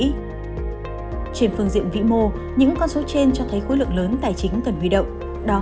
trên phương diện vĩ mô những con số trên cho thấy khối lượng lớn tài chính cần huy động đó